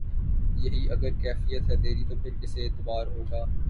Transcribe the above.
یہی اگر کیفیت ہے تیری تو پھر کسے اعتبار ہوگا